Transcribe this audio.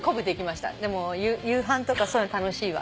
夕飯とかそういうの楽しいわ。